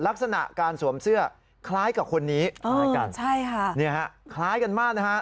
ลักษณะการสวมเสื้อคล้ายกับคนนี้คล้ายกันใช่ค่ะเนี่ยฮะคล้ายกันมากนะฮะ